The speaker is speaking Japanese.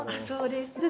そうです。